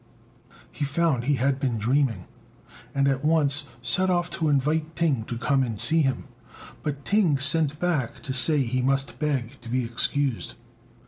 He found he had been dreaming, and at once sent off to invite Ting to come and see him; but Ting sent back to say he must beg to be excused.